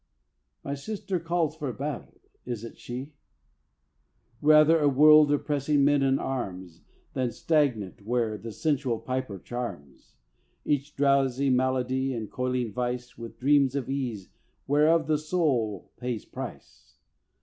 My sister calls for battle; is it she? Rather a world of pressing men in arms, Than stagnant, where the sensual piper charms Each drowsy malady and coiling vice With dreams of ease whereof the soul pays price!